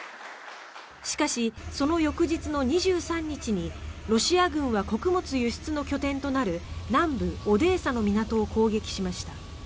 しかし、その翌日の２３日にロシア軍は穀物輸出の拠点となる南部オデーサの港を攻撃しました。